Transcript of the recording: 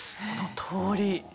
そのとおり。